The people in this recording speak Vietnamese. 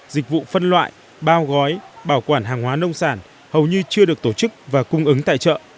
dịch vụ phân loại bao gói bảo quản hàng hóa nông sản hầu như chưa được tổ chức và cung ứng tại chợ